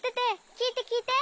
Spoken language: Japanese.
きいてきいて！